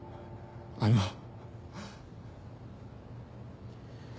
あの。